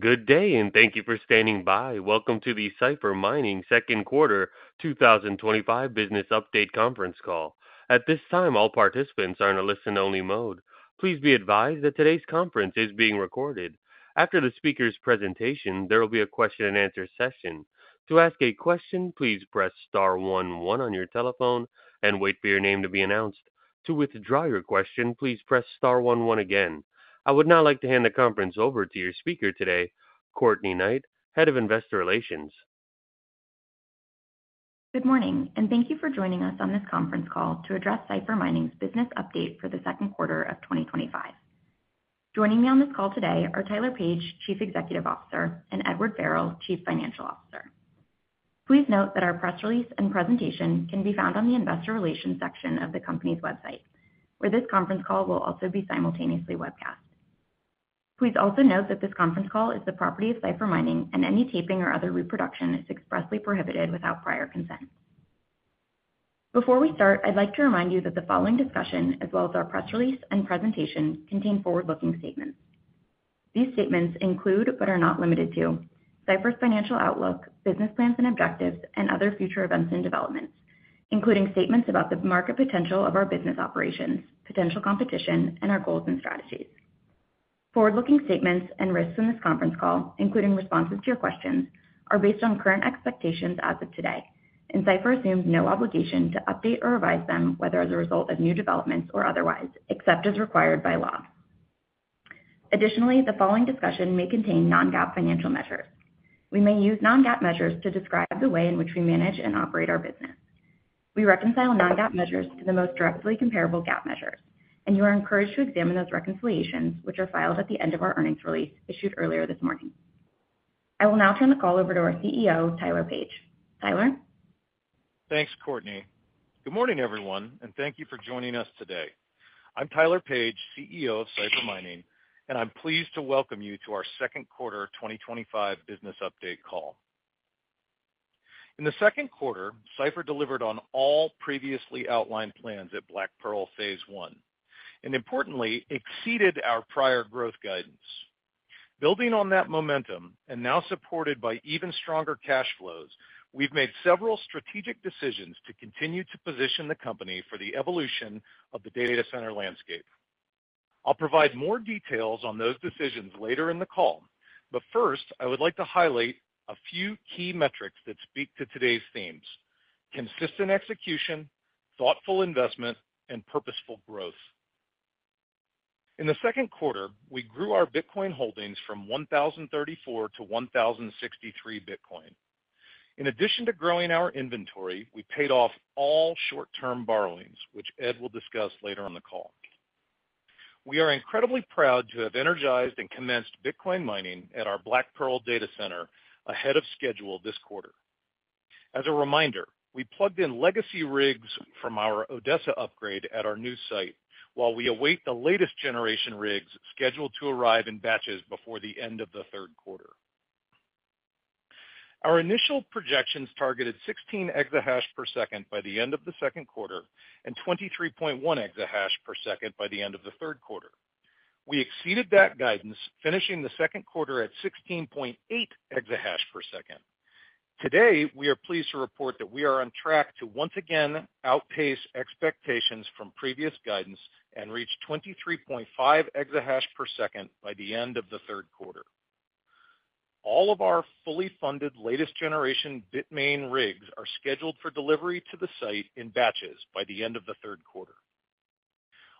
Good day and thank you for standing by. Welcome to the Cipher Mining second quarter 2025 business update conference call. At this time, all participants are in a listen-only mode. Please be advised that today's conference is being recorded. After the speaker's presentation, there will be a question and answer session. To ask a question, please press star one one on your telephone and wait for your name to be announced. To withdraw your question, please press star one one again. I would now like to hand the conference over to your speaker today, Courtney Knight, Head of Investor Relations. Good morning and thank you for joining us on this conference call to address Cipher Mining's business update for the second quarter of 2025. Joining me on this call today are Tyler Page, Chief Executive Officer, and Edward Farrell, Chief Financial Officer. Please note that our press release and presentation can be found on the Investor Relations section of the company's website, where this conference call will also be simultaneously webcast. Please also note that this conference call is the property of Cipher Mining and any taping or other reproduction is expressly prohibited without prior consent. Before we start, I'd like to remind you that the following discussion, as well as our press release and presentation, contain forward-looking statements. These statements include, but are not limited to, Cipher's financial outlook, business plans and objectives, and other future events in development, including statements about the market potential of our business operations, potential competition, and our goals and strategies. Forward-looking statements and risks in this conference call, including responses to your questions, are based on current expectations as of today and Cipher assumes no obligation to update or revise them, whether as a result of new developments or otherwise, except as required by law. Additionally, the following discussion may contain non-GAAP financial measures. We may use non-GAAP measures to describe the way in which we manage and operate our business. We reconcile non-GAAP measures to the most directly comparable GAAP measures and you are encouraged to examine those reconciliations, which are filed at the end of our earnings release issued earlier this morning. I will now turn the call over to our CEO, Tyler Page. Tyler. Thanks, Courtney. Good morning everyone and thank you for joining us today. I'm Tyler Page, CEO of Cipher Mining, and I'm pleased to welcome you to our second quarter 2025 business update call. In the second quarter, Cipher delivered on all previously outlined plans at Black Pearl Phase 1 and importantly exceeded our prior growth guidance. Building on that momentum and now supported by even stronger cash flows, we've made several strategic decisions to continue to position the company for the evolution of the data center landscape. I'll provide more details on those decisions later in the call, but first I would like to highlight a few key metrics that speak to today's themes: consistent execution, thoughtful investment, and purposeful growth. In the second quarter, we grew our Bitcoin holdings from 1,034 to 1,063 Bitcoin. In addition to growing our inventory, we paid off all short-term borrowings, which Ed will discuss later on the call. We are incredibly proud to have energized. We commenced Bitcoin mining at our Black Pearl data center ahead of schedule this quarter. As a reminder, we plugged in legacy rigs from our Odessa upgrade at our new site while we await the latest generation rigs scheduled to arrive in batches before the end of the third quarter. Our initial projections targeted 16 EH/s by the end of the second quarter and 23.1 EH/s by the end of the third quarter. We exceeded that guidance, finishing the second quarter at 16.8 EH/s. Today we are pleased to report that we are on track to once again outpace expectations from previous guidance and reach 23.5 EH/s by the end of the third quarter. All of our fully funded latest generation Bitmain rigs are scheduled for delivery to the site in batches by the end of the third quarter.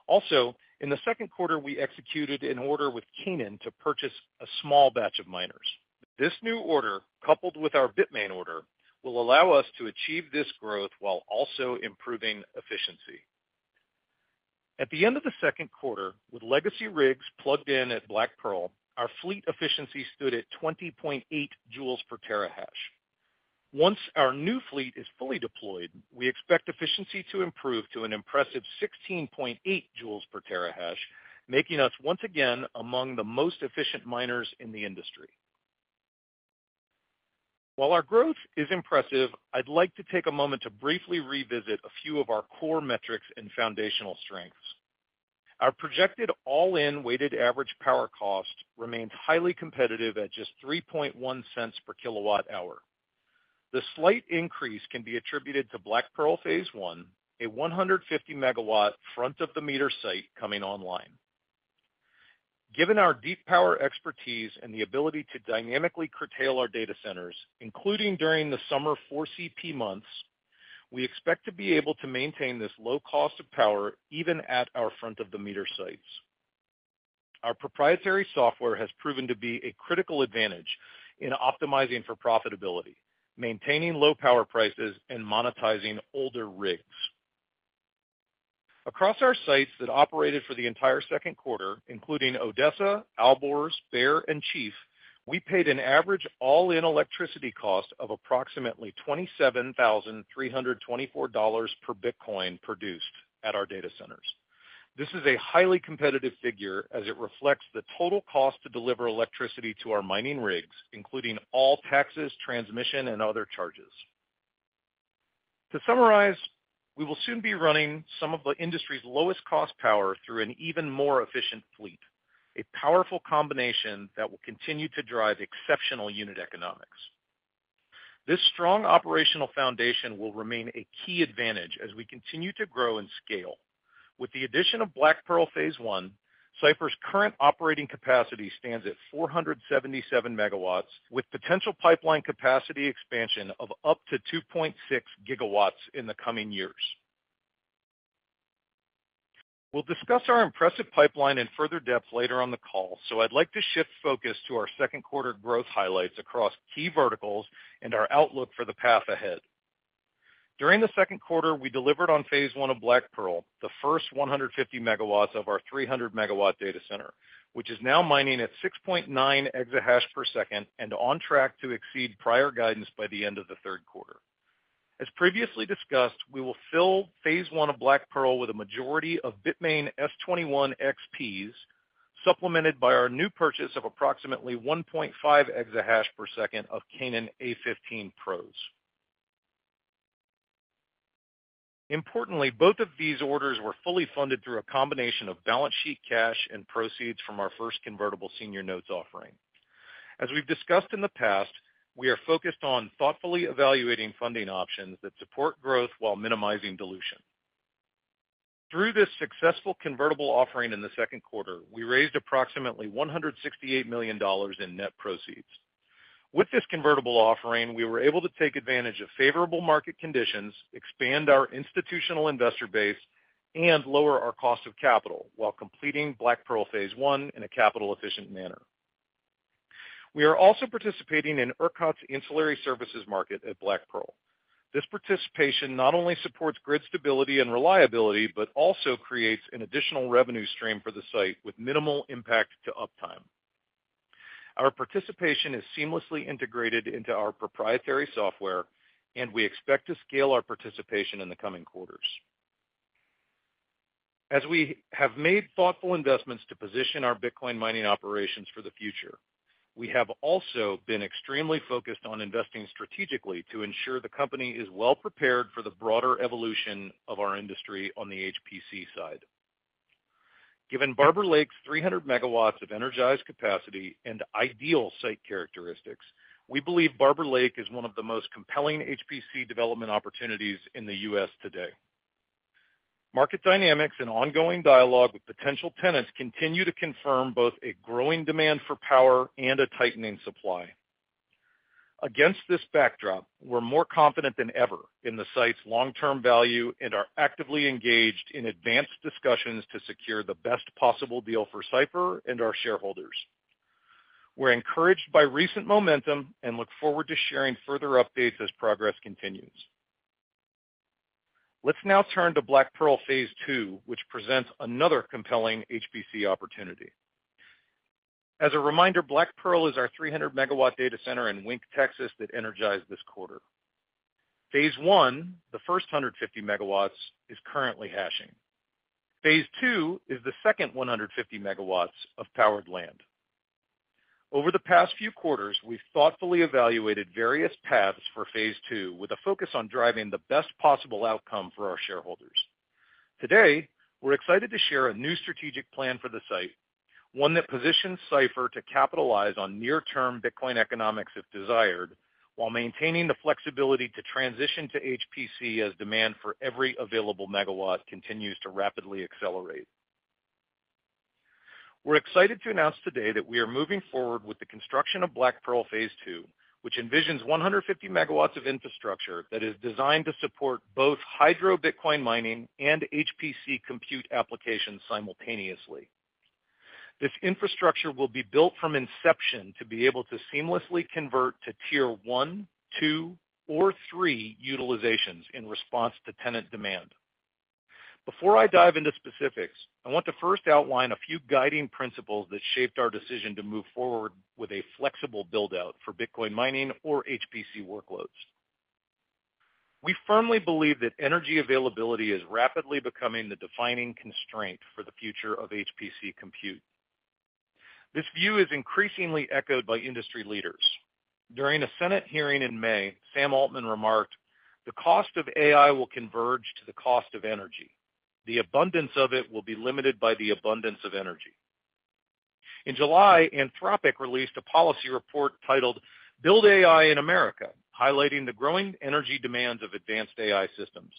Also in the second quarter, we executed an order with Canaan to purchase a small batch of miners. This new order coupled with our Bitmain order will allow us to achieve this growth while also improving efficiency. At the end of the second quarter, with legacy rigs plugged in at Black Pearl, our fleet efficiency stood at 20.8 joules per terahash. Once our new fleet is fully deployed, we expect efficiency to improve to an impressive 16.8 joules per terahash, making us once again among the most efficient miners in the industry. While our growth is impressive, I'd like to take a moment to briefly revisit a few of our core metrics and foundational strengths. Our projected all-in weighted average power cost remained highly competitive at just $0.031 per kW hour. The slight increase can be attributed to Black Pearl Phase 1, a 150 megawatt front of the meter site coming online. Given our deep power expertise and the ability to dynamically curtail our data centers, including during the summer 4CP months, we expect to be able to maintain this low cost of power even at our front of the meter sites. Our proprietary software has proven to be a critical advantage in optimizing for profitability, maintaining low power prices, and monetizing older rigs across our sites that operated for the entire second quarter, including Odessa, Albor, Bear, and Chief. We paid an average all-in electricity cost of approximately $27,324 per Bitcoin produced at our data centers. This is a highly competitive figure as it reflects the total cost to deliver electricity to our mining rigs, including all taxes, transmission, and other charges. To summarize, we will soon be running some of the industry's lowest cost power through an even more efficient fleet, a powerful combination that will continue to drive exceptional unit economics. This strong operational foundation will remain a key advantage as we continue to grow and scale with the addition of Black Pearl Phase 1. Cipher's current operating capacity stands at 477 MWs, with potential pipeline capacity expansion of up to 2.6 gigawatts in the coming years. We'll discuss our impressive pipeline in further depth later on the call. I'd like to shift focus to our second quarter growth highlights across key verticals and our outlook for the path ahead. During the second quarter, we delivered on Phase 1 of Black Pearl, the first 150 MWs of our 300 megawatt data center, which is now mining at 6.9 EH/s and on track to exceed prior guidance by the end of the third quarter. As previously discussed, we will fill Phase 1 of Black Pearl with a majority of Bitmain S21XPs, supplemented by our new purchase of approximately 1.5 EH/s of Canaan A15 Pros. Importantly, both of these orders were fully funded through a combination of balance sheet cash and proceeds from our first convertible senior notes offering. As we've discussed in the past, we are focused on thoughtfully evaluating funding options that support growth while minimizing dilution. Through this successful convertible offering in the second quarter, we raised approximately $168 million in net proceeds. With this convertible offering, we were able to take advantage of favorable market conditions, expand our institutional investor base, and lower our cost of capital while completing Black Pearl Phase 1 in a capital efficient manner. We are also participating in ERCOT's ancillary services market at Black Pearl. This participation not only supports grid stability and reliability, but also creates an additional revenue stream for the site with minimal impact to uptime. Our participation is seamlessly integrated into our proprietary software, and we expect to scale our participation in the coming quarters as we have made thoughtful investments to position our Bitcoin mining operations for the future. We have also been extremely focused on investing strategically to ensure the company is well prepared for the broader evolution of our industry on the HPC side. Given Barber Lake's 300 MW of energized capacity and ideal site characteristics, we believe Barber Lake is one of the most compelling HPC development opportunities in the U.S. today. Market dynamics and ongoing dialogue with potential tenants continue to confirm both a growing demand for power and a tightening supply. Against this backdrop, we're more confident than ever in the site's long-term value and are actively engaged in advanced discussions to secure the best possible deal for Cipher and our shareholders. We're encouraged by recent momentum and look forward to sharing further updates as progress continues. Let's now turn to Black Pearl Phase 2, which presents another compelling HPC opportunity. As a reminder, Black Pearl is our 300 MW data center in Wink, Texas that energized this quarter. Phase one, the first 150 MWs, is currently hashing. Phase two is the second 150 MWs of powered land. Over the past few quarters, we've thoughtfully evaluated various paths for Phase 2, with a focus on driving the best possible outcome for our shareholders. Today, we're excited to share a new strategic plan for the site, one that positions Cipher to capitalize on near term Bitcoin economics if desired, while maintaining the flexibility to transition to HPC as demand for every available megawatt continues to rapidly accelerate. We're excited to announce today that we are moving forward with the construction of Black Pearl Phase 2, which envisions 150 MW of infrastructure that is designed to support both hydro Bitcoin mining and HPC compute applications simultaneously. This infrastructure will be built from inception to be able to seamlessly convert to tier 1, 2, or 3 utilizations in response to tenant demand. Before I dive into specifics, I want to first outline a few guiding principles that shaped our decision to move forward with a flexible build out for Bitcoin mining or HPC workloads. We firmly believe that energy availability is rapidly becoming the defining constraint for the future of HPC compute. This view is increasingly echoed by industry leaders. During a Senate hearing in May, Sam Altman remarked, the cost of AI will converge to the cost of energy. The abundance of it will be limited by the abundance of energy. In July, Anthropic released a policy report titled Build AI in America, highlighting the growing energy demands of advanced AI systems.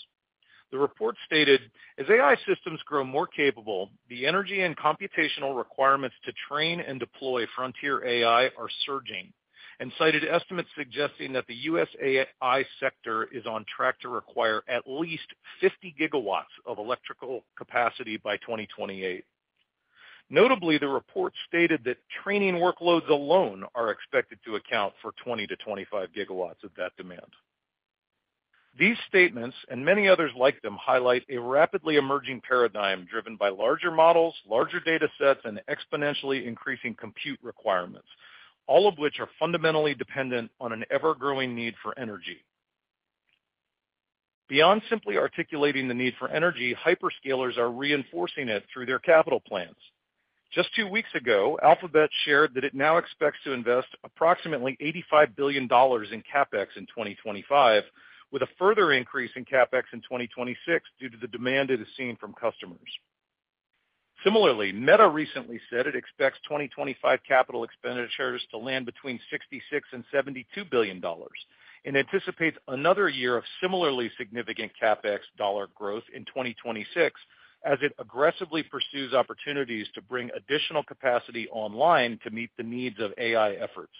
The report stated, as AI systems grow more capable, the energy and computational requirements to train and deploy frontier AI are surging, and cited estimates suggesting that the U.S. AI sector is on track to require at least 50 gigawatts of electrical capacity by 2028. Notably, the report stated that training workloads alone are expected to account for 20 to 25 gigawatts of demand. These statements and many others like them highlight a rapidly emerging paradigm driven by larger models, larger data sets, and exponentially increasing compute requirements, all of which are fundamentally dependent on an ever growing need for energy. Beyond simply articulating the need for energy, hyperscalers are reinforcing it through their capital plans. Just two weeks ago, Alphabet shared that it now expects to invest approximately $85 billion in CapEx in 2025, with a further increase in CapEx in 2026 due to the demand it is seeing from customers. Similarly, Meta recently said it expects 2025 capital expenditures to land between $66 billion and $72 billion, and anticipates another year of similarly significant CapEx dollar growth in 2026 as it aggressively pursues opportunities to bring additional capacity online to meet the needs of AI efforts.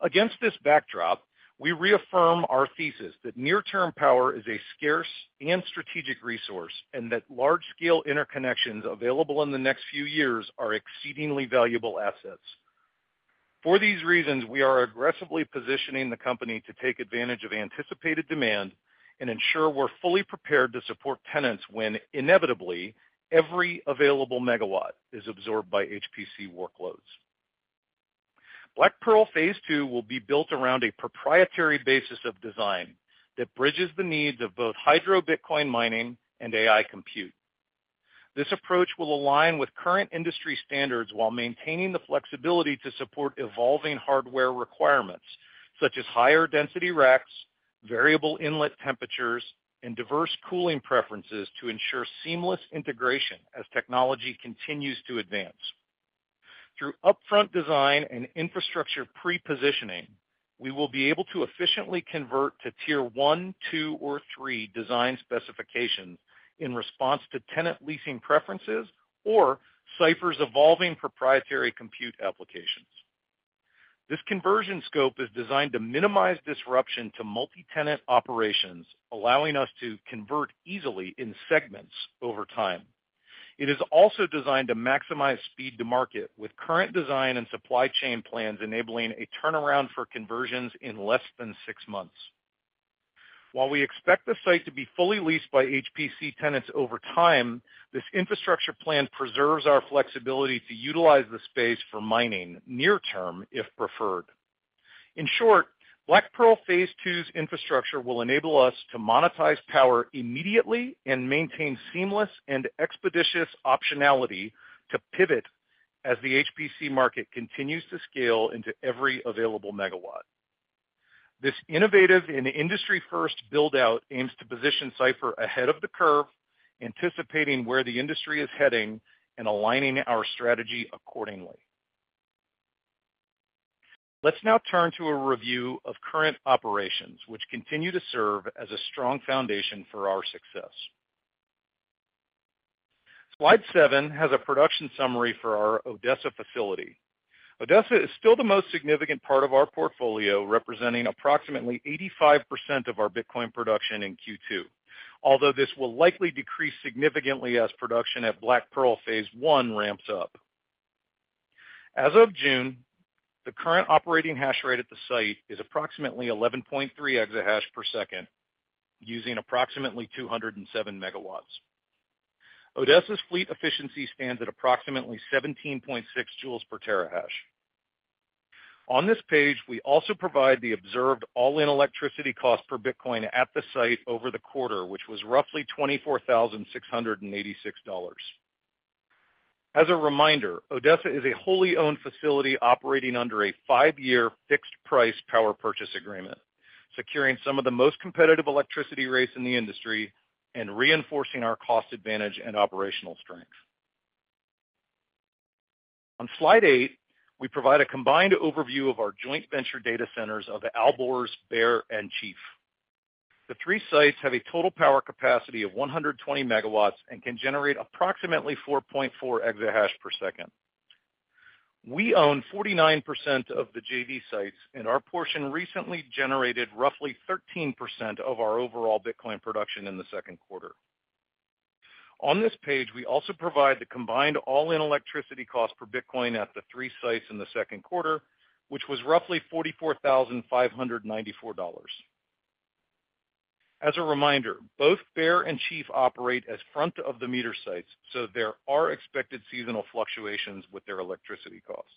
Against this backdrop, we reaffirm our thesis that near-term power is a scarce and strategic resource and that large-scale interconnections available in the next few years are exceedingly valuable assets. For these reasons, we are aggressively positioning the company to take advantage of anticipated demand and ensure we're fully prepared to support tenants when inevitably every available megawatt is absorbed by HPC workloads. Black Pearl Phase 2 will be built around a proprietary basis of design that bridges the needs of both hydro Bitcoin mining and AI compute. This approach will align with current industry standards while maintaining the flexibility to support evolving hardware requirements such as higher density racks, variable inlet temperatures, and diverse cooling preferences to ensure seamless integration. As technology continues to advance through upfront design and infrastructure pre-positioning, we will be able to efficiently convert to Tier 1, 2, or 3 design specifications in response to tenant leasing preferences or Cipher's evolving proprietary compute applications. This conversion scope is designed to minimize disruption to multi-tenant operations, allowing us to convert easily in segments over time. It is also designed to maximize speed to market with current design and supply chain plans, enabling a turnaround for conversions in less than six months. While we expect the site to be fully leased by HPC tenants over time, this infrastructure plan preserves our flexibility to utilize the space for mining near-term if preferred. In short, Black Pearl Phase 2's infrastructure will enable us to monetize power immediately and maintain seamless and expeditious optionality to pivot as the HPC market continues to scale into every available megawatt. This innovative and industry-first buildout aims to position Cipher ahead of the curve, anticipating where the industry is heading and aligning our strategy accordingly. Let's now turn to a review of current operations, which continue to serve as a strong foundation for our success. Slide 7 has a production summary for our Odessa facility. Odessa is still the most significant part of our portfolio, representing approximately 85% of our Bitcoin production in Q2, although this will likely decrease significantly as production at Black Pearl Phase 1 ramps up. As of June, the current operating hash rate at the site is approximately 11.3 EH/s, using approximately 207 MW. Odessa's fleet efficiency stands at approximately 17.6 joules per terahash. On this page we also provide the observed all-in electricity cost per Bitcoin at the site over the quarter, which was roughly $24,686. As a reminder, Odessa is a wholly owned facility operating under a five-year fixed-price power purchase agreement, securing some of the most competitive electricity rates in the industry and reinforcing our cost advantage and operational strength. On slide 8, we provide a combined overview of our joint venture data centers of Albor, Bear, and Chief. The three sites have a total power capacity of 120 MWs and can generate approximately 4.4 EH/s. We own 49% of the JV sites and our portion recently generated roughly 13% of our overall Bitcoin production in the second quarter. On this page, we also provide the combined all-in electricity cost per Bitcoin at the three sites in the second quarter, which was roughly $44,594. As a reminder, both Bear and Chief operate as front-of-the-meter sites, so there are expected seasonal fluctuations with their electricity costs.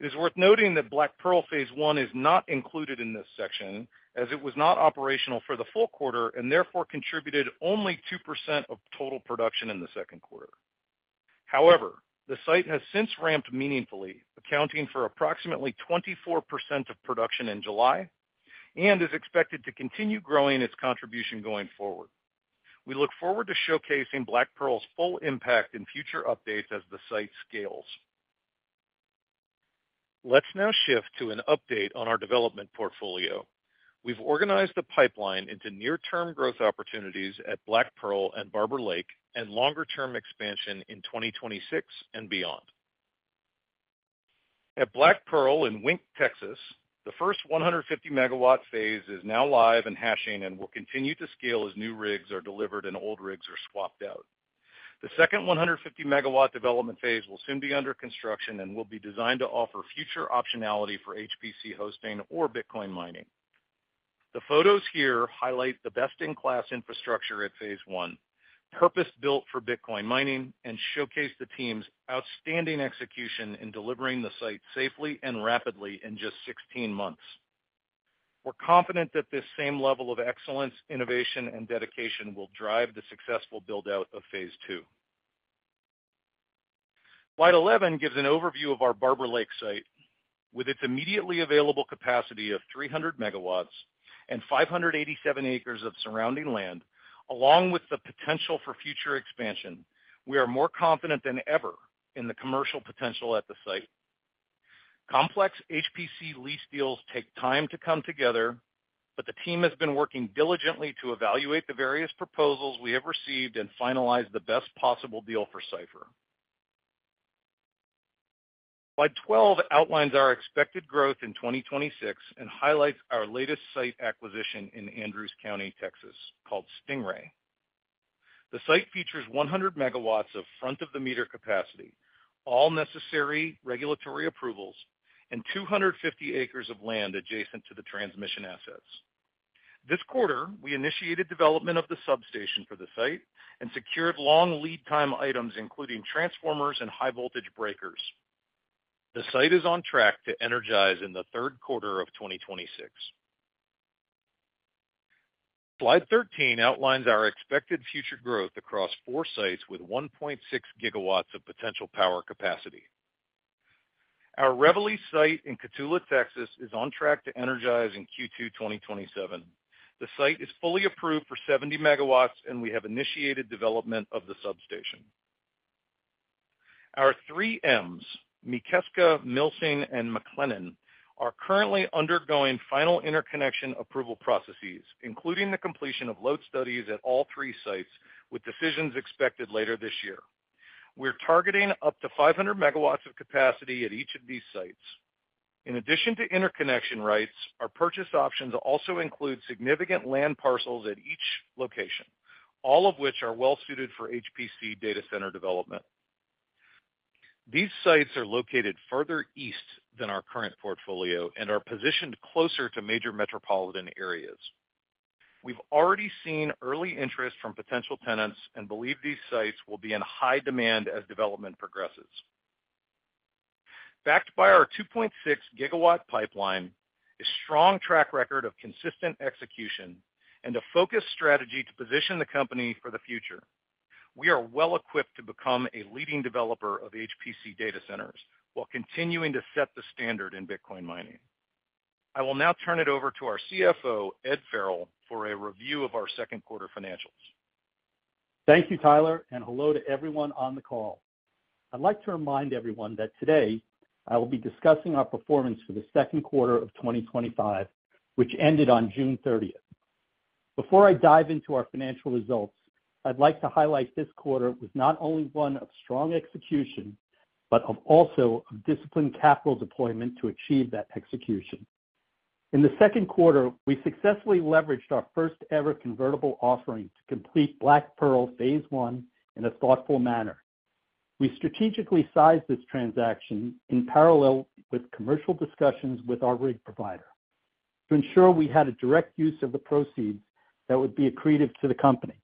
It is worth noting that Black Pearl Phase 1 is not included in this section as it was not operational for the full quarter and therefore contributed only 2% of total production in the second quarter. However, the site has since ramped meaningfully, accounting for approximately 24% of production in July and is expected to continue growing its contribution going forward. We look forward to showcasing Black Pearl's full impact in future updates as the site scales. Let's now shift to an update on our development portfolio. We've organized the pipeline into near-term growth opportunities at Black Pearl and Barber Lake and longer-term expansion in 2026 and beyond. At Black Pearl in Wink, Texas, the first 150-megawatt phase is now live and hashing and will continue to scale as new rigs are delivered and old rigs are swapped out. The second 150-megawatt development phase will soon be under construction and will be designed to offer future optionality for HPC hosting or Bitcoin mining. The photos here highlight the best-in-class infrastructure at Phase 1, purpose-built for Bitcoin mining and showcase the team's outstanding execution in delivering the site safely and rapidly in just 16 months. We're confident that this same level of excellence, innovation, and dedication will drive the successful build-out of Phase 2. Slide 11 gives an overview of our Barber Lake site with its immediately available capacity of 300 MWs and 587 acres of surrounding land, along with the potential for future expansion, we are more confident than ever in the commercial potential at the site. Complex HPC lease deals take time to come together, but the team has been working diligently to evaluate the various proposals we have received and finalize the best possible deal for Cipher. Slide 12 outlines our expected growth in 2026 and highlights our latest site acquisition in Andrews County, Texas. Called Stingray, the site features 100 MWs of front of the meter capacity, all necessary regulatory approvals, and 250 acres of land adjacent to the transmission assets. This quarter we initiated development of the substation for the site and secured long lead time items, including transformers and high voltage breakers. The site is on track to energize in the third quarter of 2026. Slide 13 outlines our expected future growth across four sites with 1.6 gigawatts of potential power capacity. Our Reveille site in Cotulla, Texas, is on track to energize in Q2 2027. The site is fully approved for 70 MW, and we have initiated development of the substation. Our Three M's, McKeska, Milsing, and McLennan, are currently undergoing final interconnection approval processes, including the completion of load studies at all three sites, with decisions expected later this year. We're targeting up to 500 MWs of capacity at each of these sites. In addition to interconnection rights, our purchase options also include significant land parcels at each location, all of which are well suited for HPC data center development. These sites are located further east than our current portfolio and are positioned closer to major metropolitan areas. We've already seen early interest from potential tenants and believe these sites will be in high demand as development progresses. Backed by our 2.6 gigawatt pipeline, a strong track record of consistent execution, and a focused strategy to position the company for the future, we are well equipped to become a leading developer of HPC data centers while continuing to set the standard in Bitcoin mining. I will now turn it over to our CFO Edward Farrell for a review of our second quarter financials. Thank you, Tyler, and hello to everyone on the call. I'd like to remind everyone that today I will be discussing our performance for the second quarter of 2025, which ended on June 30th. Before I dive into our financial results, I'd like to highlight this quarter was not only one of strong execution, but also of disciplined capital deployment. To achieve that execution in the second quarter, we successfully leveraged our first ever convertible offering to complete Black Pearl Phase 1. In a thoughtful manner, we strategically sized this transaction in parallel with commercial discussions with our rig provider to ensure we had a direct use of the proceeds that would be accretive to the company.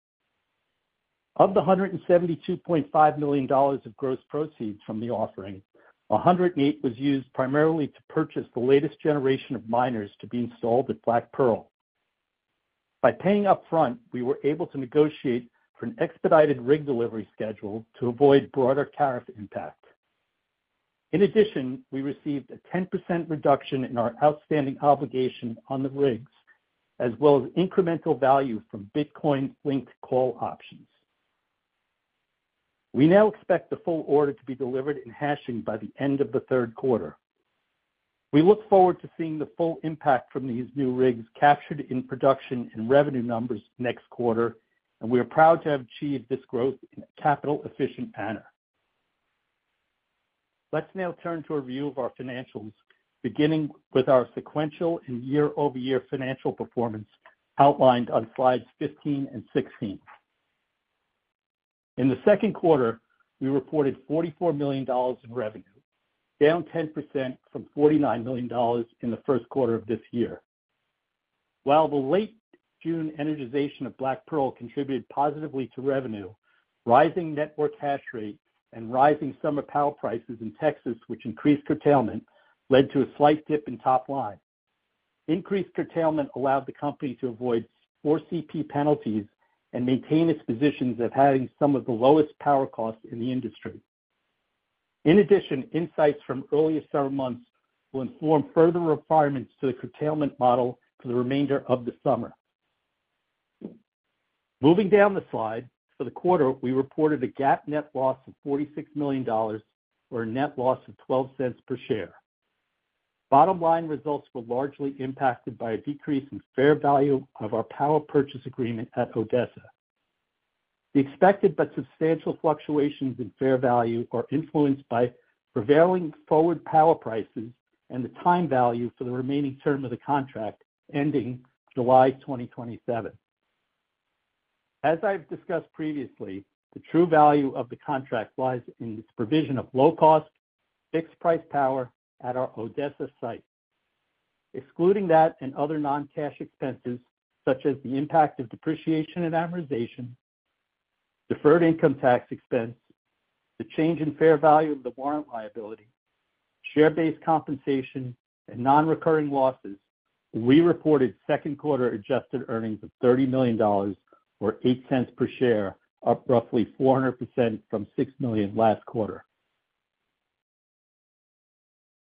Of the $172.5 million of gross proceeds from the offering, $108 million was used primarily to purchase the latest generation of miners to be installed at Black Pearl. By paying up front, we were able to negotiate for an expedited rig delivery schedule to avoid broader tariff impact. In addition, we received a 10% reduction in our outstanding obligation on the rigs as well as incremental value from Bitcoin-linked call options. We now expect the full order to be delivered and hashing by the end of the third quarter. We look forward to seeing the full impact from these new rigs captured in production and revenue numbers next quarter, and we are proud to have achieved this growth in a capital efficient manner. Let's now turn to a review of our financials, beginning with our sequential and year-over-year financial performance outlined on slides 15 and 16. In the second quarter, we reported $44 million in revenue, down 10% from $49 million in the first quarter of this year. While the late June energization of Black Pearl contributed positively to revenue, rising network hash rate and rising summer power prices in Texas, which increased curtailment, led to a slight dip in top line. Increased curtailment allowed the company to avoid more CP penalties and maintain its position of having some of the lowest power costs in the industry. In addition, insights from earlier several months will inform further requirements to the curtailment model for the remainder of the summer. Moving down the slide, for the quarter, we reported a GAAP net loss of $46 million, or a net loss of $0.12 per share. Bottom line results were largely impacted by a decrease in fair value of our power purchase agreement at Odessa. The expected but substantial fluctuations in fair value are influenced by prevailing forward power prices and the time value for the remaining term of the contract ending July 2027. As I've discussed previously, the true value of the contract lies in its provision of low cost fixed-price power at our Odessa site. Excluding that and other non-cash expenses such as the impact of depreciation and amortization, deferred income tax expense, the change in fair value of the warrant liability, share-based compensation, and non-recurring losses, we reported second quarter adjusted earnings of $30 million or $0.08 per share, up roughly 400% from $6 million last quarter.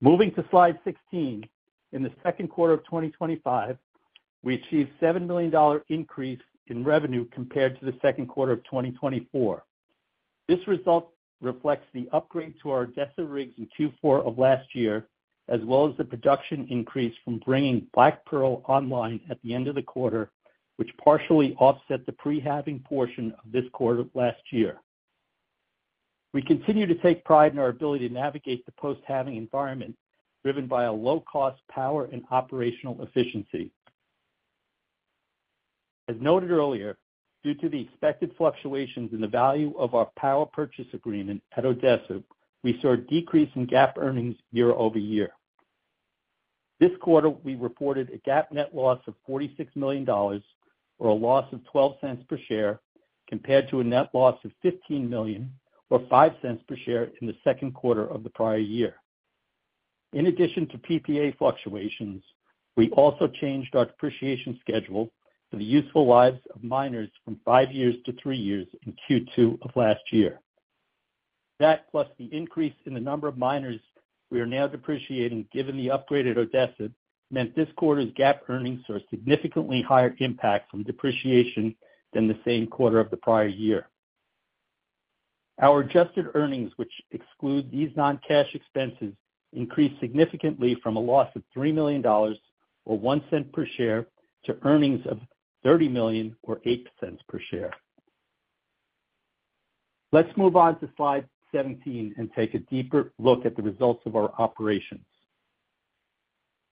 Moving to slide 16, in the second quarter of 2025 we achieved a $7 million increase in revenue compared to the second quarter of 2024. This result reflects the upgrade to our Odessa rigs in Q4 of last year as well as the production increase from bringing Black Pearl online at the end of the quarter, which partially offset the pre-halving portion of this quarter last year. We continue to take pride in our ability to navigate the post-halving environment driven by low cost power and operational efficiency. As noted earlier, due to the expected fluctuations in the value of our power purchase agreement at Odessa, we saw a decrease in GAAP earnings year over year. This quarter we reported a GAAP net loss of $46 million or a loss of $0.12 per share compared to a net loss of $15 million or $0.05 per share in the second quarter of the prior year. In addition to PPA fluctuations, we also changed our depreciation schedule for the useful lives of miners from five years to three years in Q2 of last year. That plus the increase in the number of miners we are now depreciating, given the upgraded Odessa, meant this quarter's GAAP earnings are significantly higher impact from depreciation than the same quarter of the prior year. Our adjusted earnings, which exclude these non-cash expenses, increased significantly from a loss of $3 million or $0.01 per share to earnings of $30 million or $0.08 per share. Let's move on to slide 17 and take a deeper look at the results of our operation.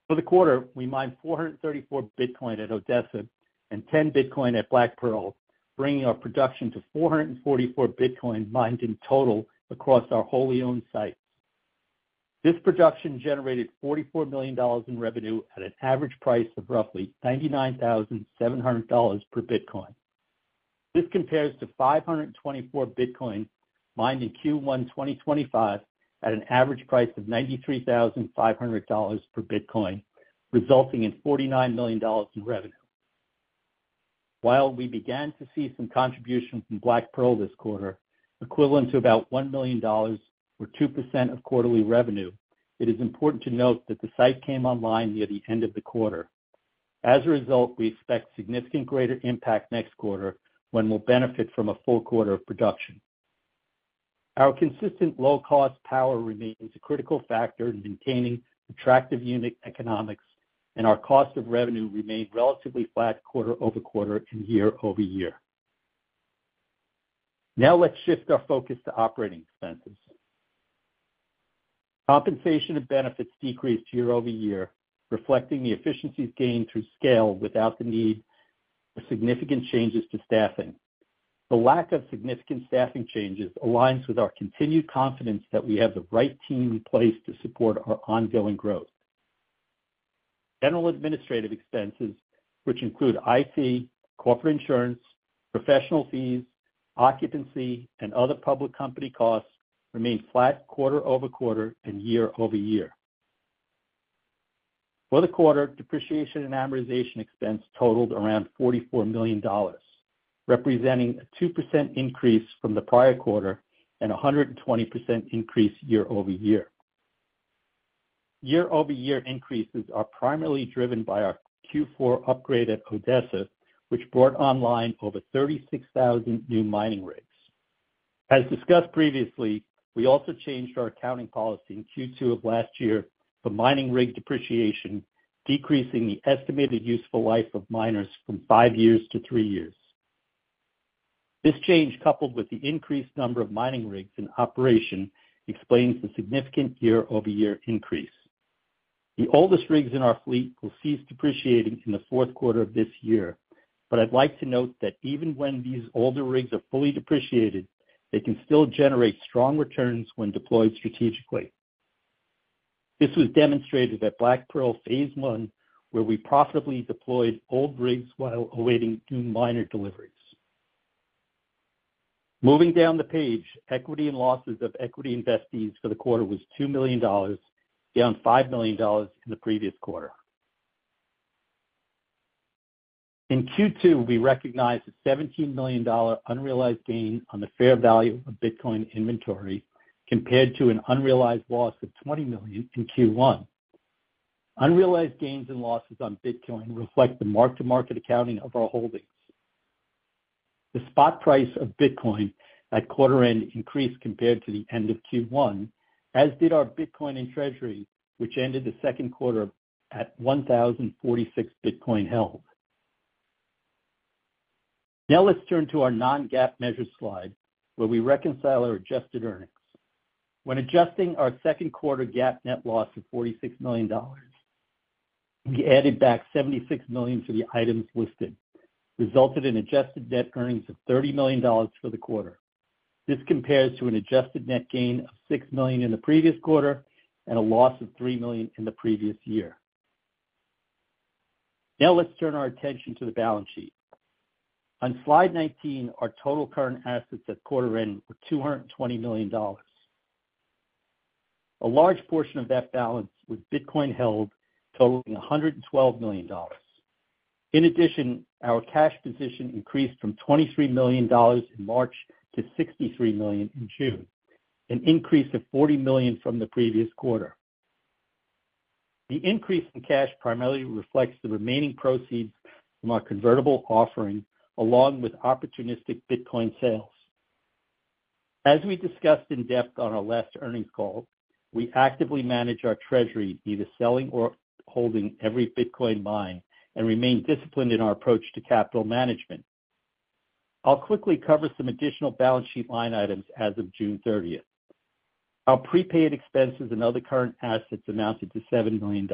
For the quarter, we mined 434 Bitcoin at Odessa and 10 Bitcoin at Black Pearl, bringing our production to 444 Bitcoin mined in total across our wholly owned site. This production generated $44 million in revenue at an average price of roughly $99,700 per Bitcoin. This compares to 524 Bitcoin mined in Q1 2025 at an average price of $93,500 per Bitcoin, resulting in $49 million in revenue. While we began to see some contribution from Black Pearl this quarter, equivalent to about $1 million or 2% of quarterly revenue, it is important to note that the site came online near the end of the quarter. As a result, we expect significant greater impact next quarter when we'll benefit from a full quarter of production. Our consistent low cost power remains a critical factor in maintaining attractive unit economics, and our cost of revenue remained relatively flat quarter over quarter and year over year. Now let's shift our focus to operating expenses. Compensation and benefits decreased year over year, reflecting the efficiencies gained through scale without the need to significant changes to staffing. The lack of significant staffing changes aligns with our continued confidence that we have the right team in place to support our ongoing growth. General administrative expenses, which include IT, corporate insurance, professional fees, occupancy, and other public company costs, remain flat quarter over quarter and year over year. For the quarter, depreciation and amortization expense totaled around $44 million, representing a 2% increase from the prior quarter and a 120% increase year over year. Year over year increases are primarily driven by our Q4 upgrade at Odessa, which brought online over 36,000 new mining rigs. As discussed previously, we also changed our accounting policy in Q2 of last year for mining rig depreciation, decreasing the estimated useful life of miners from five years to three years. This change, coupled with the increased number of mining rigs in operation, explains the significant year over year increase. The oldest rigs in our fleet will cease depreciating in the fourth quarter of this year, but I'd like to note that even when these older rigs are fully depreciated, they can still generate strong returns when deployed strategically. This was demonstrated at Black Pearl Phase 1 where we profitably deployed old rigs while awaiting new miner deliveries. Moving down the page, equity and losses of equity investees for the quarter was $2 million, down from $5 million in the previous quarter. In Q2 we recognized the $17 million unrealized gain on the fair value of Bitcoin inventory compared to an unrealized loss of $20 million in Q1. Unrealized gains and losses on Bitcoin reflect the mark to market accounting of our holdings. The spot price of Bitcoin at quarter end increased compared to the end of Q1, as did our Bitcoin and treasury, which ended the second quarter at 10:46 Bitcoin held. Now let's turn to our non-GAAP measures slide where we reconcile our adjusted earnings. When adjusting our second quarter GAAP net loss to $46 million, we added back $76 million to the items listed, resulting in adjusted EBITDA of $30 million for the quarter. This compares to an adjusted net gain of $6 million in the previous quarter and a loss of $3 million in the previous year. Now let's turn our attention to the balance sheet on slide 19. Our total current assets at quarter end were $220 million. A large portion of that balance was Bitcoin held, totaling $112 million. In addition, our cash position increased from $23 million in March to $63 million in June, an increase of $40 million from the previous quarter. The increase in cash primarily reflects the remaining proceeds from our convertible offering along with opportunistic Bitcoin sales. As we discussed in depth on our last earnings call, we actively manage our treasury, either selling or holding every Bitcoin mined, and remain disciplined in our approach to capital management. I'll quickly cover some additional balance sheet line items. As of June 30, our prepaid expenses and other current assets amounted to $70 million.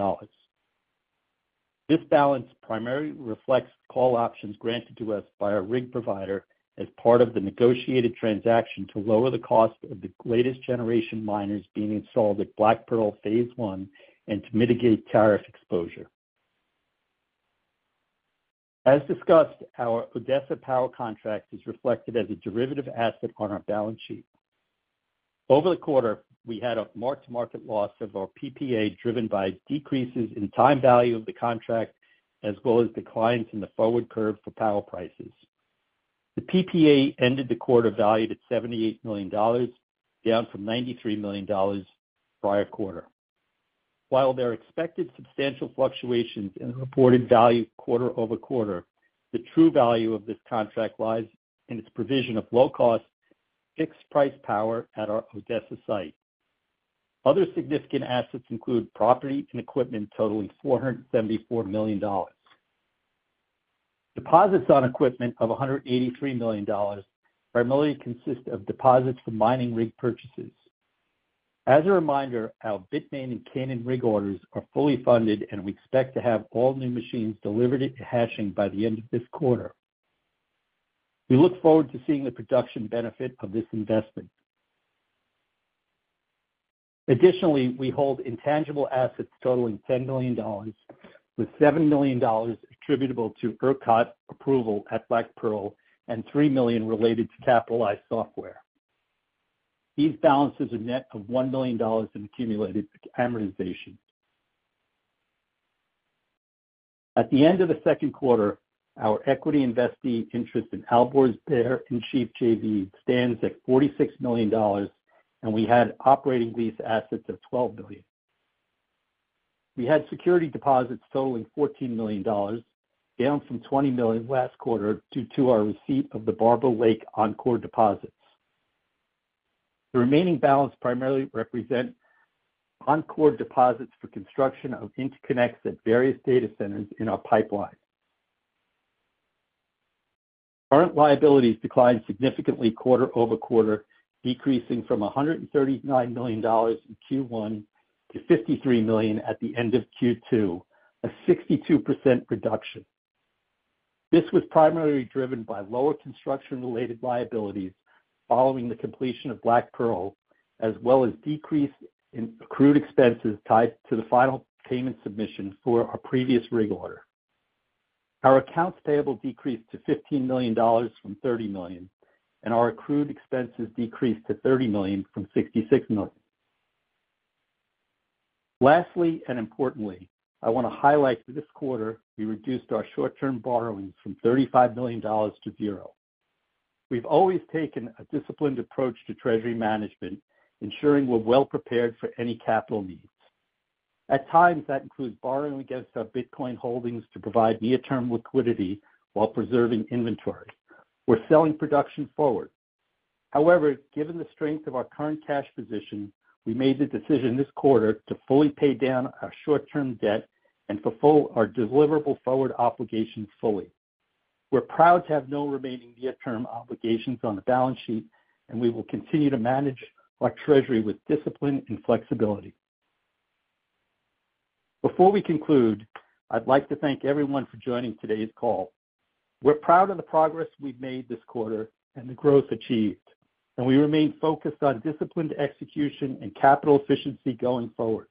This balance primarily reflects call options granted to us by our rig provider as part of the negotiated transaction to lower the cost of the latest generation miners being installed at Black Pearl Phase 1 and to mitigate tariff exposure. As discussed, our Odessa power contract is reflected as a derivative asset on our balance sheet. Over the quarter we had a mark to market loss of our PPA driven by decreases in time value of the contract as well as declines in the forward curve for power prices. The PPA ended the quarter valued at $78 million, down from $93 million the prior quarter. While there are expected substantial fluctuations in reported value quarter over quarter, the true value of this contract lies in its provision of low-cost fixed-price power at our Odessa site. Other significant assets include property and equipment totaling $474 million. Deposits on equipment of $183 million primarily consist of deposits for mining rig purchases. As a reminder, our Bitmain and Canaan rig orders are fully funded and we expect to have all new machines delivered into hashing by the end of this quarter. We look forward to seeing the production benefit of this investment. Additionally, we hold intangible assets totaling $10 million, with $7 million attributable to ERCOT approval at Black Pearl and $3 million related to capitalized software. These balances are net of $1 million in accumulated amortization at the end of the second quarter. Our equity investee interest in Albor's Bear and Chief JV stands at $46 million and we had operating lease assets of $12 million. We had security deposits totaling $14 million, down from $20 million last quarter due to our receipt of the Barber Lake Encore deposits. The remaining balance primarily represents Encore deposits for construction of interconnects at various data centers in our pipeline. Current liabilities declined significantly quarter over quarter, decreasing from $139 million in Q1 to $53 million at the end of Q2, a 62% reduction. This was primarily driven by lower construction-related liabilities following the completion of Black Pearl as well as a decrease in accrued expenses tied to the final payment submission for a previous rig order. Our accounts payable decreased to $15 million from $30 million and our accrued expenses decreased to $30 million from $66 million. Lastly, and importantly, I want to highlight this quarter we reduced our short-term borrowings from $35 million to zero. We've always taken a disciplined approach to treasury management, ensuring we're well prepared for any capital needs at times. That includes borrowing against our Bitcoin holdings to provide near-term liquidity while preserving inventory. We're selling production forward. However, given the strength of our current cash position, we made the decision this quarter to fully pay down our short-term debt and fulfill our deliverable forward obligations fully. We're proud to have no remaining near-term obligations on the balance sheet and we will continue to manage our treasury with discipline and flexibility. Before we conclude, I'd like to thank everyone for joining today's call. We're proud of the progress we've made this quarter and the growth achieved. We remain focused on disciplined execution and capital efficiency going forward.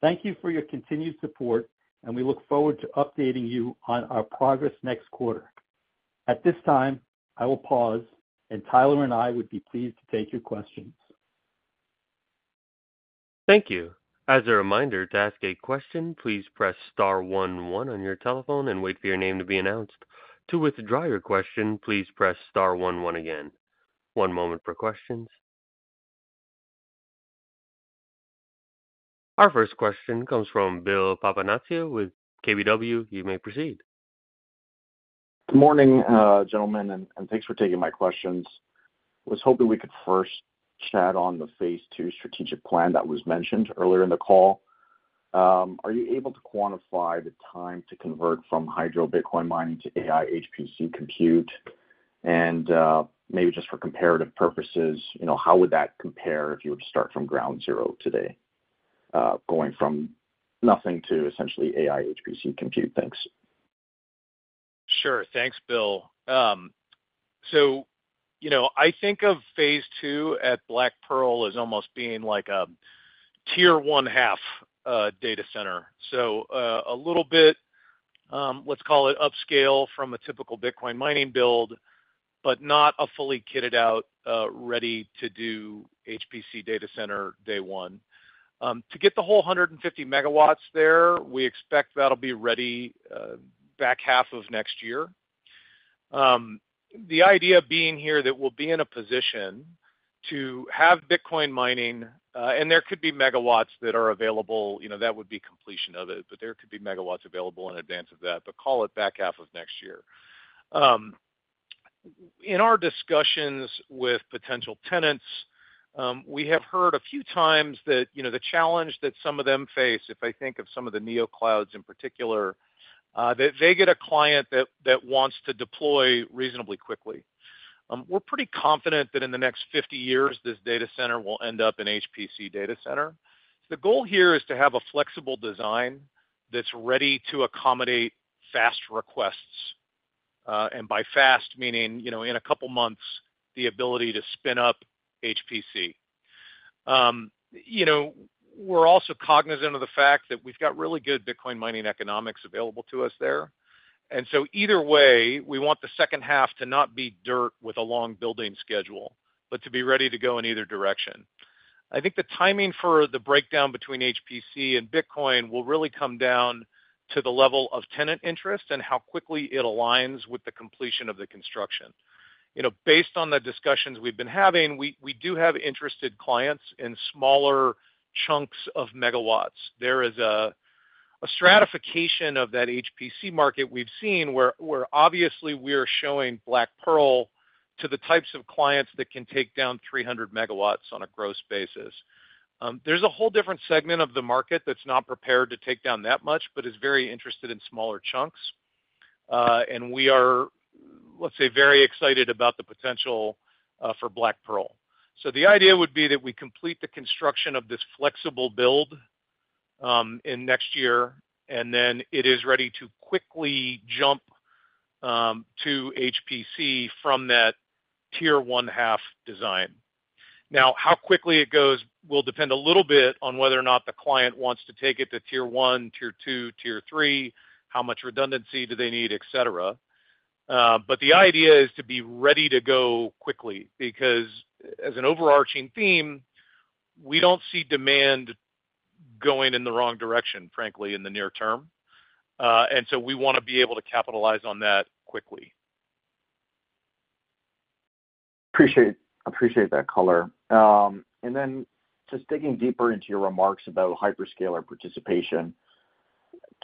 Thank you for your continued support and we look forward to updating you on our progress next quarter. At this time I will pause and Tyler and I would be pleased to take your questions. Thank you. As a reminder to ask a question, please press star one one on your telephone and wait for your name to be announced. To withdraw your question, please press star one one again. One moment for questions. Our first question comes from Bill Papanastasiou with KBW. You may proceed. Good morning, gentlemen, and thanks for taking my questions. Was hoping we could first chat on the Phase 2 strategic plan that was mentioned earlier in the call. Are you able to quantify the time to convert from hydro Bitcoin mining to AI HPC compute? Maybe just for comparative purposes, how would that compare if you were to start from ground zero today, going from nothing to essentially AI HPC compute? Thanks. Sure. Thanks, Bill. I think of Phase 2 at Black Pearl as almost being like a Tier 1 half data center, so a little bit, call it upscale from a typical Bitcoin mining build, but not a fully kitted out, ready to do HPC data center day one. To get the whole 150 MW there. We expect that'll be ready back half of next year. The idea being here that we'll be in a position to have Bitcoin mining, and there could be MW that are available that would be completely BUT There could be MWs available in advance of that, but call it back half of next year. In our discussions with potential tenants, we have heard a few times that the challenge that some of them face. If I think of some of the NEO clouds in particular, that they get a client that wants to deploy reasonably quickly, we're pretty confident that in the next 50 years this data center will end up in HPC data center. The goal here is to have a flexible design that's ready to accommodate fast requests, and by fast meaning in a couple months, the ability to spin up HPC. We're also cognizant of the fact that we've got really good Bitcoin mining economics available to us there. Either way, we want the second half to not be dirt with a long building schedule, but to be ready to go in either direction. I think the timing for the breakdown between HPC and Bitcoin will really come down to the level of tenant interest and how quickly it aligns with the completion of the construction. You know, based on the discussions we've had been having, we do have interested clients in smaller chunks of MW. There is a stratification of that HPC market we've seen where obviously we are showing Black Pearl to the types of clients that can take down 300 MW on a gross basis. There's a whole different segment of the market that's not prepared to take down that much is very interested in smaller chunks. We are, let's say, very excited about the potential for Black Pearl. The idea would be that we complete the construction of this flexible build in next year, and then it is ready to quickly jump to HPC from that tier 1/2 design. Now, how quickly it goes will depend a little bit on whether or not the client wants to take it to Tier 1, Tier 2, Tier 3, how much redundancy do they need, etc. The idea is to be ready to go quickly because as an overarching theme, we don't see demand going in the wrong direction, frankly, in the near term. We want to be able to capitalize on that quickly. Appreciate that color. Just digging deeper into your remarks about hyperscaler participation,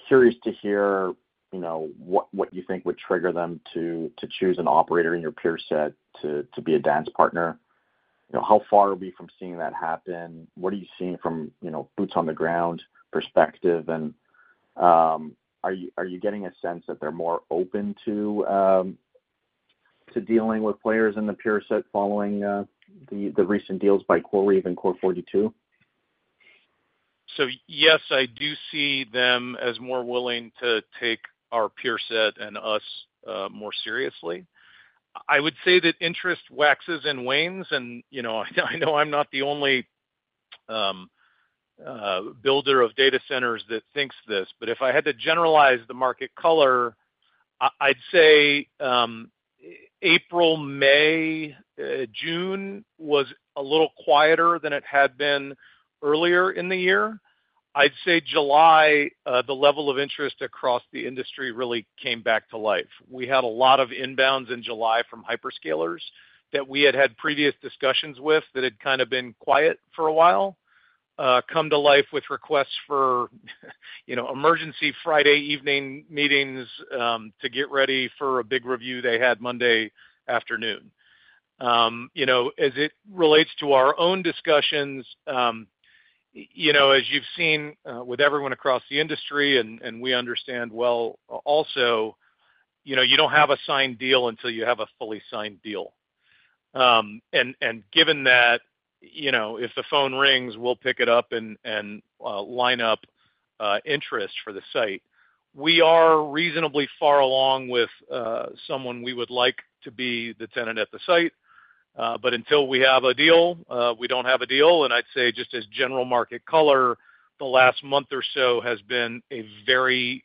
curious to hear what you think would trigger them to choose an operator in your peer set to be a dance partner. How far are we from seeing that happen? What are you seeing from a boots on the ground perspective? Are you getting a sense that they're more open to it dealing with players in the peer set following the recent deals by CoreWeave and Core42? Yes, I do see them as more willing to take our peer set and us more seriously. I would say that interest waxes and wanes. I know I'm not the only builder of data centers that thinks this. If I had to generalize the market color, I'd say April, May, June was a little quieter than it had been earlier in the year. I'd say July, the level of interest across the industry really came back to life. We had a lot of inbounds in July from hyperscalers that we had had previous discussions with that had kind of been quiet for a while came to life with requests for emergency Friday evening meetings to get ready for a big review they had Monday afternoon, as it relates to our own discussions, as you've seen with everyone across the industry. We understand well, also, you don't have a signed deal until you have a fully signed deal. Given that, you know, if the phone rings, we'll pick it up and line up interest for the site. We are reasonably far along with someone. We would like to be the tenant at the site. Until we have a deal, we don't have a deal. I'd say just as general market color, the last month or so has been a very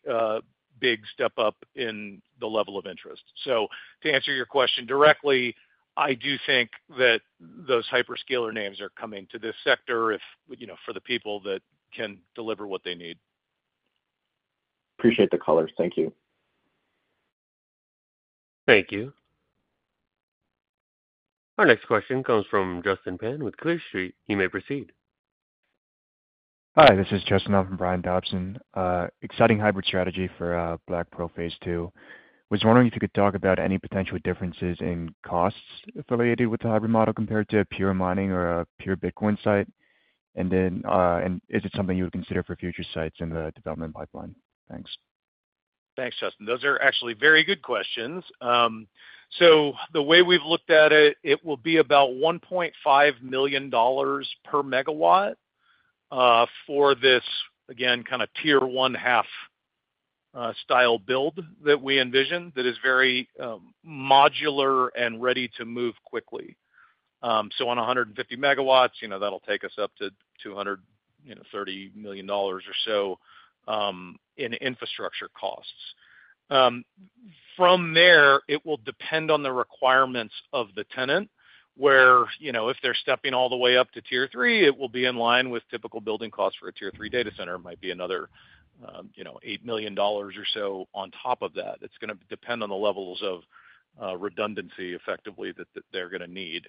big step up in the level of interest. To answer your question directly, I do think that those hyperscaler names are coming to this sector for the people that can deliver what they need. Appreciate the colors. Thank you. Thank you. Our next question comes from Justin Pan with Clear Street. You may proceed. Hi, this is Justin from Brian Dobson. Exciting hybrid strategy for Black Pearl Phase 2. Was wondering if you could talk about any potential differences in costs affiliated with the hybrid model compared to pure mining or a pure Bitcoin site. Is it something you would consider for future sites in the development pipeline? Thanks. Thanks, Justin. Those are actually very good questions. The way we've looked at it, it will be about $1.5 million per MW for this, again, kind of tier one half style build that we envision that is very modular and ready to move quickly. On 150 MWs, you know, that'll take us up to $200 million, you know, $30 million or so in infrastructure costs. From there, it will depend on the requirements of the tenant, where if they're stepping all the way up to Tier 3, it will be in line with typical building costs for a Tier 3 data center. Might be another $8 million or so. On top of that, it's going to depend on the levels of redundancy, effectively that they're going to need.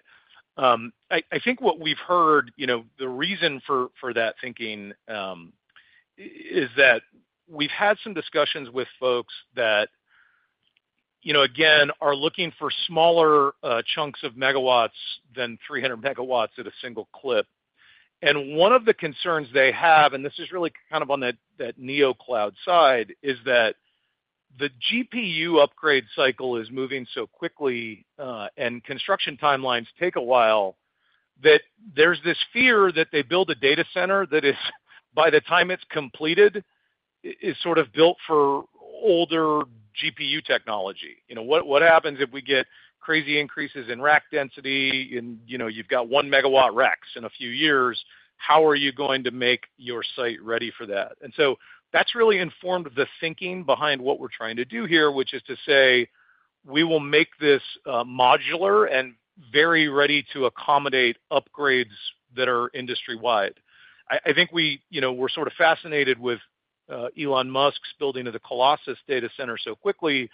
I think what we've heard, the reason for that thinking is that we've had some discussions with folks that are looking for smaller chunks of MWs than 300 MWs at a single clip. One of the concerns they have. This is really kind of on that NEO cloud side is that the GPU upgrade cycle is moving so quickly and construction timelines take a while. There's this fear that they build a data center that is, by the time it's completed, is sort of built for older GPU technology. You know, what happens if we get crazy increases in rack density and, you know, you've got one MW racks in a few years, how are you going to make your site ready for that? That’s really informed the thinking behind what we're trying to do here which is to say we will make this modular and very ready to accommodate upgrades that are industry wide. I think we're sort of fascinated with Elon Musk's building of the Colossus data center so quickly,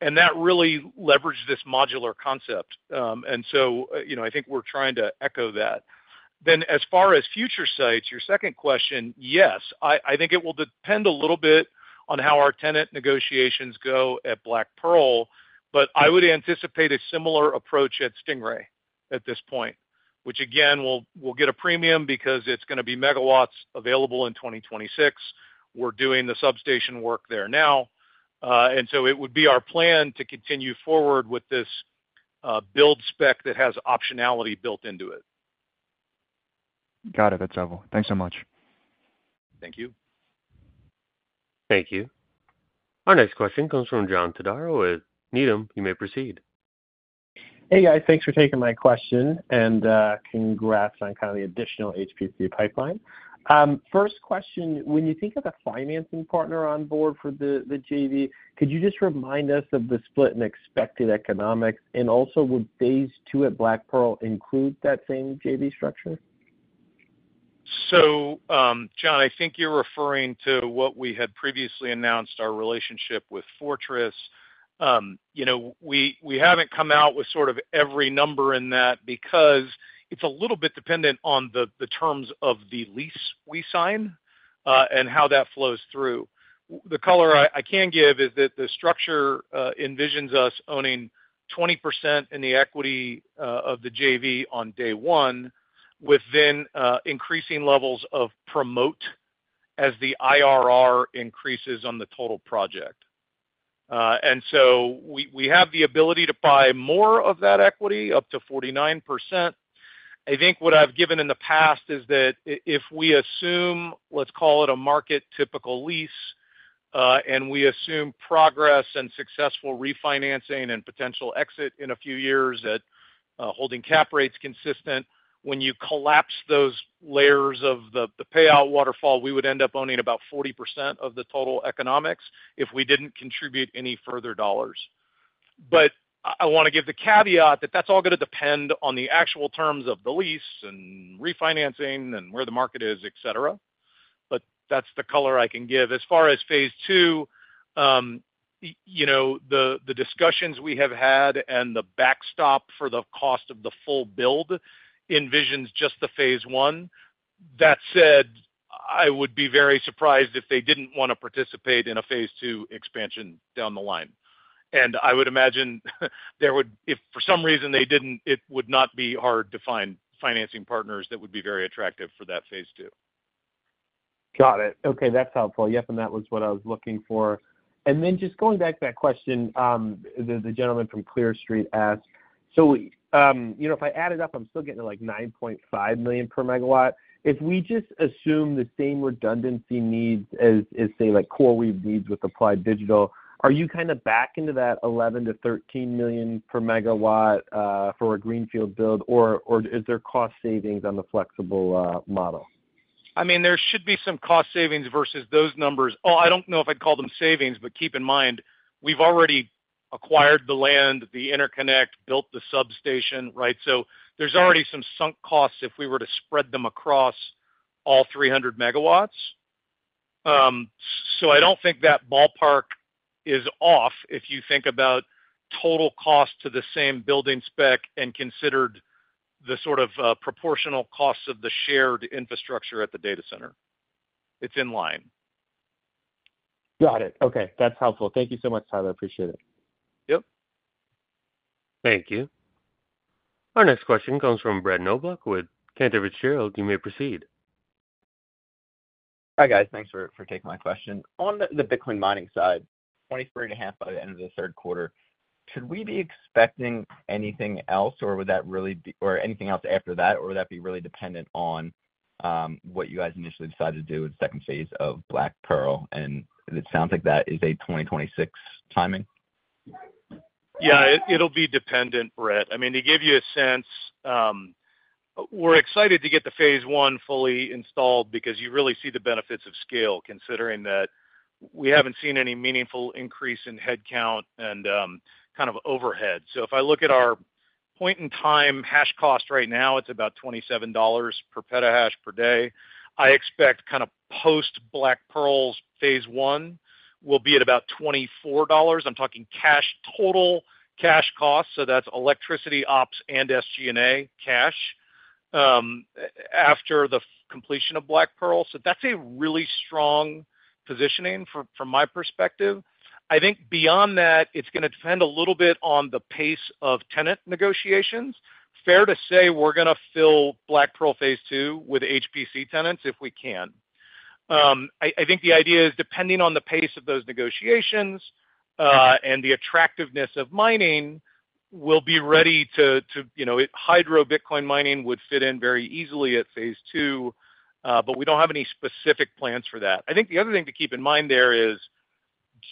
and that really leveraged this modular concept. I think we're trying to echo that. As far as future sites, your second question, yes, I think it will depend a little bit on how our tenant negotiations go at Black Pearl, but I would anticipate a similar approach at Stingray at this point, which again, will get a premium because it's going to be MWs available in 2026. We're doing the substation work there now, and it would be our plan to continue forward with this build spec that has optionality built into it. Got it. That's helpful. Thanks so much. Thank you. Thank you. Our next question comes from John Todaro with Needham. You may proceed. Hey guys, thanks for taking my question and congrats on kind of the additional HPC pipeline. First question, when you think of the financing partner on board for the JV, could you just remind us of the split and expected economics? Also, would Phase 2 at Black Pearl include that same JV structure? I think you're referring to what we had previously announced, our relationship with Fortress. We haven't come out with sort of every number in that because it's a little bit dependent on the terms of the lease we sign and how that flows through. The color I can give is that the structure envisions us owning 20% in the equity of the JV on day one with increasing levels of promote as the IRR increases on the total project. We have the ability to buy more of that equity up to 49%. I think what I've given in the past is that if we assume, let's call it a market typical lease, and we assume progress and successful refinancing and potential exit in a few years at holding cap rates consistent, when you collapse those layers of the payout waterfall, we would end up owning about 40% of the total economics if we didn't contribute any further dollars. I want to give the caveat that that's all going to depend on the actual terms of the lease and refinancing, and where the market is, et cetera. That is the color I can give as far as phase two. The discussions we have had and the backstop for the cost of the full build envisions just the phase one. That said, I would be very surprised if they didn't want to participate in a Phase 2 expansion down the line. I would imagine there would, if for some reason they didn't, it would not be hard to find financing partners that would be very attractive for that Phase 2. Got it. Okay, that's helpful. Yep, that was what I was looking for. Just going back to that question the gentleman from Clear Street asked, if I add it up, I'm still getting like $9.5 million per megawatt. If we just assume the same redundancy needs as, say, like CoreWeave needs with Applied Digital, are you kind of back into that $11 to $13 million per megawatt for a greenfield build, or is there cost savings on the flexible model? I mean, there should be some cost savings versus those numbers. Oh, I don't know if I'd call them savings. Keep in mind, we've already acquired the land, the interconnect, built the substation. There are already some sunk costs. If we were to spread them across all 300 MWs, I don't think that ballpark is off. If you think about total cost to the same building spec and considered the sort of proportional cost of the shared infrastructure at the data center. It's in line. Got it. Okay, that's helpful. Thank you so much, Tyler. Appreciate it. Yep, thank you. Our next question comes from Brett Knoblauch with Cantor Fitzgerald. Richard, you may proceed. Hi guys. Thanks for taking my question on the Bitcoin mining side. 23.5 by the end of the third quarter. Should we be expecting anything else? Would that really be or anything else after that? That'd be really dependent on what you guys initially decided to do in second phase of Black Pearl? It sounds like that is a 2026 timing? Yeah, it'll be dependent, Brett. I mean, to give you a sense, we're excited to get the Phase 1 fully installed because you really see the benefits of scale, considering that we haven't seen any meaningful increase in headcount and kind of overhead. If I look at our point in time, hash cost right now, it's about $27 per petahash per day. I expect kind of post-Black Pearl Phase 1 will be at about $24. I'm talking cash, total cash cost. So that's electricity, ops, and SG&A cash after the completion of Black Pearl. That's a really strong positioning from my perspective. I think beyond that it's going to depend a little bit on the pace of tenant negotiations. Fair to say we're going to fill Black Pearl Phase 2 with HPC tenants if we can. I think the idea is depending on the pace of those negotiations and the attractiveness of mining, we'll be ready to, you know, hydro Bitcoin mining would fit in very easily at Phase 2, but we don't have any specific plans for that. I think the other thing to keep in mind there is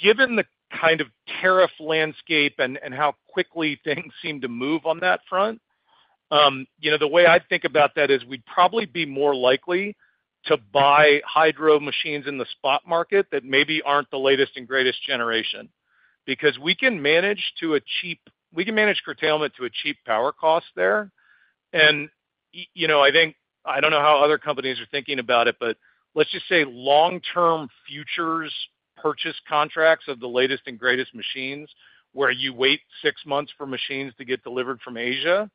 given the kind of tariff landscape and how quickly things seem to move on that front. The way I think about that is we'd probably be more likely to buy hydro machines in the spot market that maybe aren't the latest and greatest generation because we can manage to a cheap. We can manage curtailment to a cheap power cost there. I think, I don't know how other companies are thinking about it, just say long term futures purchase contracts of the latest and greatest machines, where you wait six months for machines to get delivered from Asia,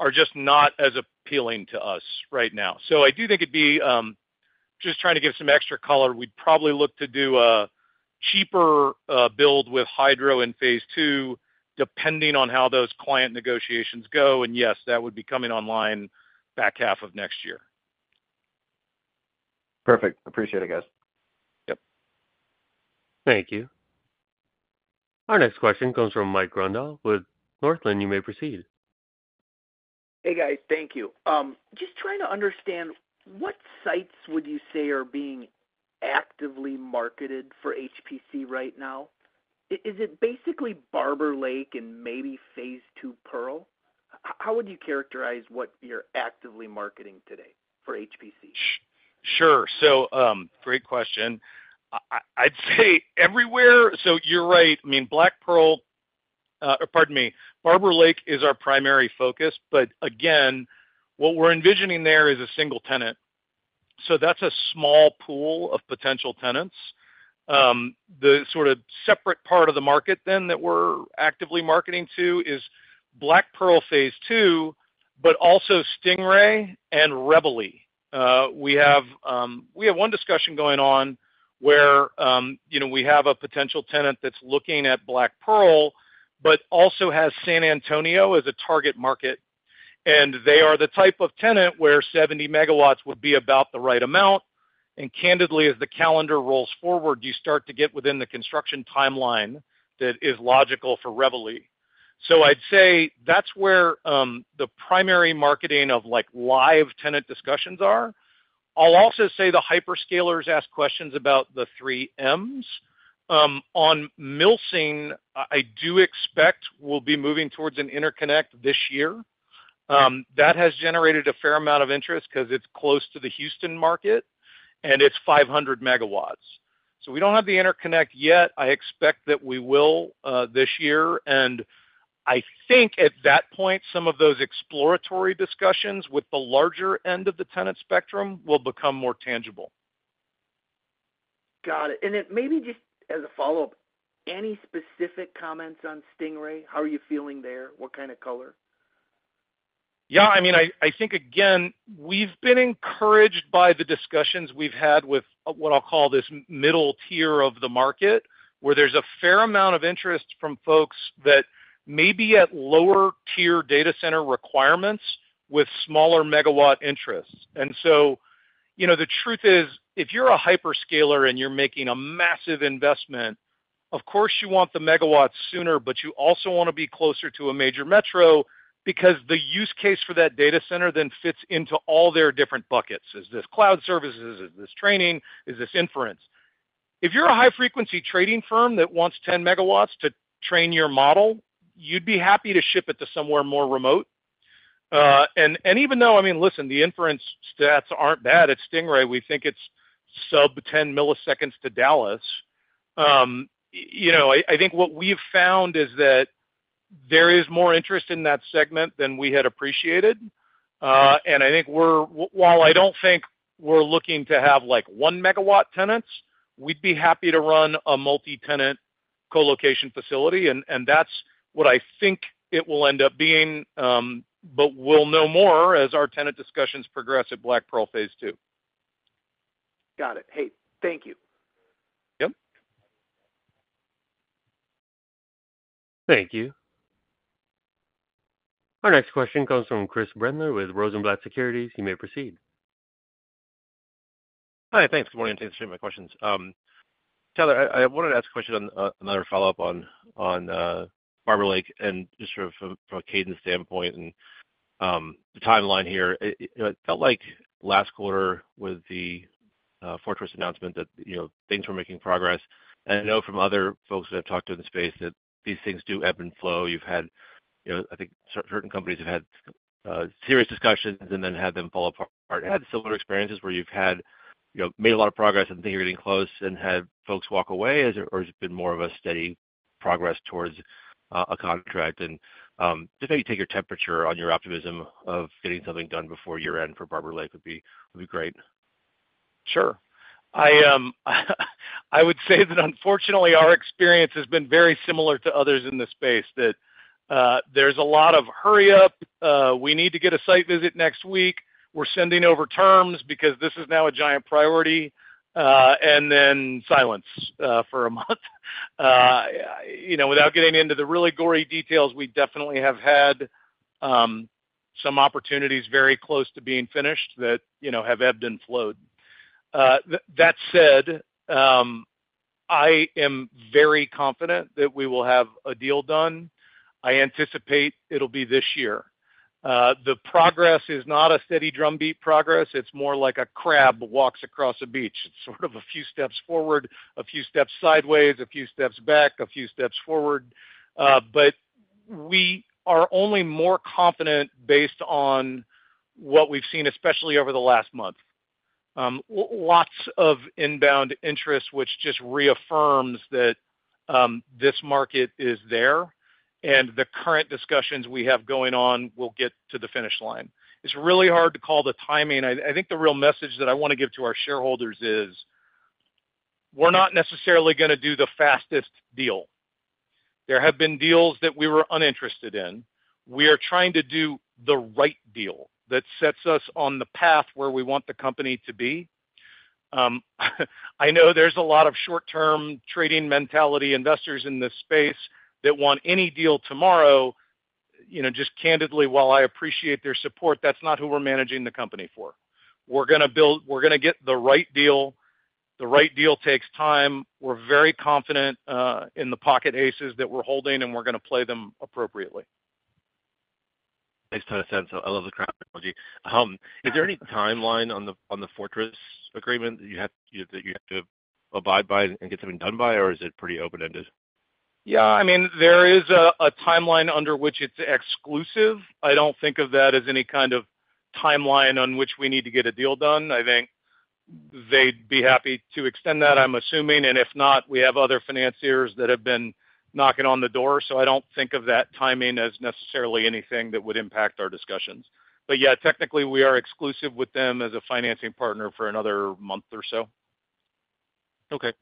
are just not as appealing to us right now. I do think it'd be just trying to give some extra color. We'd probably look to do a cheaper build with Hydro in Phase 2, depending on how those client negotiations go. Yes, that would be coming online back half of next year. Perfect.Appreciate it, guys. Thank you. Our next question comes from Mike Grondahl with Northland. You may proceed. Hey, guys. Thank you. Just trying to understand, what sites would you say are being actively marketed for HPC right now? Is it basically Barber Lake and maybe Phase 2, Black Pearl? How would you characterize what you're actively marketing today for HPC? Sure. Great question. I'd say everywhere. You're right. I mean, Black Pearl, pardon me, Barber Lake is our primary focus. What we're envisioning there is a single tenant, so that's a small pool of potential tenants. The sort of separate part of the market that we're actively marketing to is Black Pearl Phase 2, but also Stingray and Reveille. We have one discussion going on where we have a potential tenant that's looking at Black Pearl, but also has San Antonio as a target market. They are the type of tenant where 70 MWs would be about the right amount. Candidly, as the calendar rolls forward. You start to get within the construction timeline that is logical for Reveille. I'd say that's where the primary marketing of, like, live tenant discussions are. I'll also say the hyperscalers ask questions about the Three M's on Milsing. I do expect we'll be moving towards an interconnect this year that has generated a fair amount of interest because it's close to the Houston market, and it's 500 MW. We don't have the interconnect yet. I expect that we will this year. I think at that point, some of those exploratory discussions with the larger end of the tenant spectrum, will become more tangible. Got it. Maybe just as a follow up, any specific comments on Stingray? How are you feeling there? What kind of color? Yeah, I mean, I think again, we've been encouraged by the discussions we've had with what I'll call this middle tier of the market where there's a fair amount of interest from folks that may be at lower tier data center requirements with smaller megawatt interests. The truth is, if you're a hyperscaler and you're making a massive investment, of course you want the MW sooner, but you also want to be closer to a major metro because the use case for that data center fits into all their different buckets. Is this cloud services? Is this training? Is this inference? If you're a high frequency trading firm that wants 10 MWs to train your model, you'd be happy to ship it to somewhere more remote. Even though, I mean, listen, the inference stats aren't bad at Stingray, we think it's sub 10 milliseconds to Dallas. I think what we've found is that there is more interest in that segment than we had appreciated. I think we're, while I don't think we're looking to have like 1 megawatt tenants, we'd be happy to run a multi-tenant colocation facility. That's what I think it will end up being. We'll know more as our tenant discussions progress at Black Pearl Phase 2. Got it. Thank you. Thank you. Our next question comes from Chris Brendler with Rosenblatt Securities. You may proceed. Hi, thanks. Good morning. Thanks for sharing my questions. Tyler, I wanted to ask a question on another follow up on Barber Lake and just sort of from a cadence standpoint and the timeline here, it felt like last quarter with the Fortress announcement that things were making progress. I know from other folks that I've talked to in the space that these things do ebb and flow. You've had, I think certain companies have had serious discussions and then had them fall apart. Had similar experiences where you've had, you know, made a lot of progress and things are getting close and had folks walk away. Has it been more of a steady progress towards a contract and just maybe take your temperature on your optimism of getting something done before year end for Barber Lake would be great. Sure. I would say that unfortunately our experience has been very similar to others in the space that there's a lot of hurry up. We need to get a site visit next week. We're sending over terms because this is now a giant priority, and then silence for a month. You know, without getting into the really gory details, we definitely have had some opportunities very close to being finished that, you know have ebbed and flowed. That said, I am very confident that we will have a deal done. I anticipate it'll be this year. The progress is not a steady drumbeat progress. It's more like a crab walks across a beach. It's sort of a few steps forward. A few steps sideways, a few steps back, a few steps forward. We are only more confident based on what we've seen, especially over the last month, lots of inbound interest which just reaffirms that this market is there and the current discussions we have going on will get to the finish line. It's really hard to call the timing. I think the real message that I want to give to our shareholders is we're not necessarily going to do the fastest deal. There have been deals that we were uninterested in. We are trying to do the right deal that sets us on the path where we want the company to be. I know there's a lot of short-term trading mentality, investors in this space that want any deal tomorrow. Just candidly, while I appreciat their support, that's not who we're managing the company for. We're going to build, we're going to get the right deal. The right deal takes time. We're very confident in the pocket aces that we're holding and we're going to play them appropriately. Makes a ton of sense. I love the crowd. Is there any timeline on the Fortress agreement that you have to abide by and get something done by, or is it pretty open ended? Yeah, I mean there is a timeline under which it's exclusive. I don't think of that as any kind of timeline on which we need to get a deal done. I think they'd be happy to extend that, I'm assuming, and if not, we have other financiers that have been knocking on the door. I don't think of that timing as necessarily anything that would impact our discussions. Technically we are exclusive with them as a financing partner for another month or so. Okay,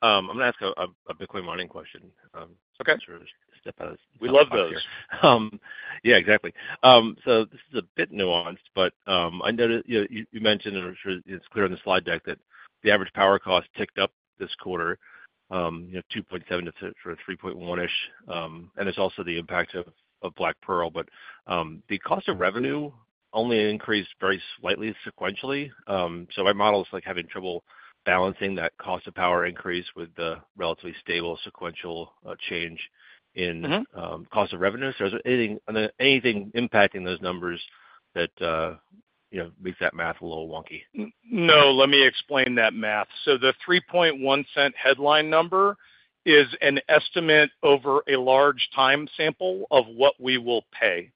I am going to ask a Bitcoin mining question. We love those. Yeah, exactly. This is a bit nuanced, but I noticed you mentioned, and I am sure it is clear on the slide deck, that the average power cost ticked up this quarter, $2.70 to $3.10 ish. It is also the impact of Black Pearl. The cost of revenue only increased very slightly sequentially. My model is having trouble balancing that cost of power increase with the relatively stable sequential change in cost of revenue. Is there anything impacting those numbers that makes that math a little wonky? No, let me explain that math. The $0.031 headline number is an estimate over a large time sample of what we will pay.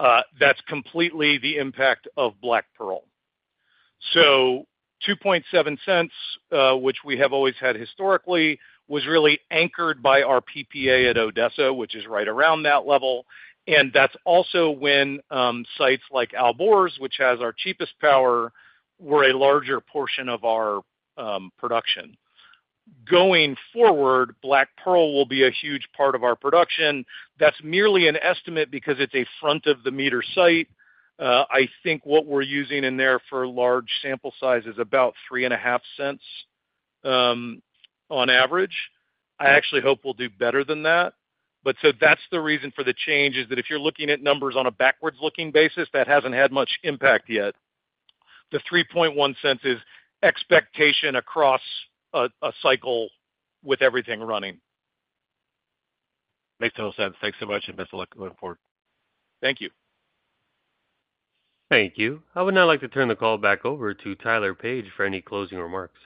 That's completely the impact of Black Pearl. The $0.027, which we have always had historically, was really anchored by our PPA at Odessa, which is right around that level. That's also when sites like Albor, which has our cheapest power, were a larger portion of our production going forward Black Pearl will be a huge part of our production, that's merely an estimate because it's a front of the meter site, I think, what we're using in and therefore, large sample size is about $0.035 on average. I actually hope we'll do better than that, but that's the reason for the change is that if you're looking at numbers on a backwards-looking basis, that hasn't had much impact yet. The $0.031 is expectation across a cycle with everything running. Makes total sense. Thanks so much and best of luck going forward. Thank you. Thank you. I would now like to turn the call back over to Tyler Page for any closing remarks.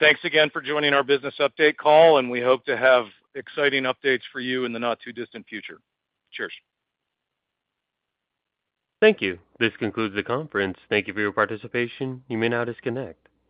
Thanks again for joining our business update call, and we hope to have exciting updates soon updates for you in the not too distant future. Thank you. This concludes the conference. Thank you for your participation. You may now disconnect.